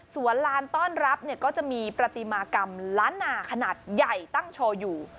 ส่วนลานต้อนรับเนี่ยก็จะมีประติมากรรมล้านนาขนาดใหญ่ตั้งโชว์อยู่